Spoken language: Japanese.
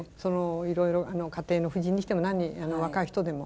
いろいろ家庭の夫人にしても若い人でも。